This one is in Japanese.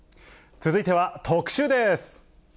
続いては、特集です。